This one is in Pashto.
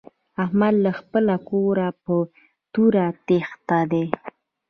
احمد له خپله کوره په توره تېښته دی.